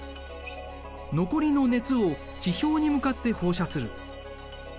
残りの熱を地表に向かって放射する。